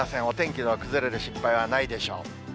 お天気の崩れる心配はないでしょう。